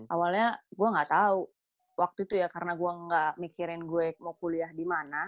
awalnya gue gak tau waktu itu ya karena gue gak mikirin gue mau kuliah di mana